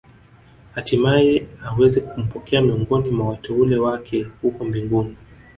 Hatimae aweze kumpokea miongoni mwa wateule wake huko mbinguni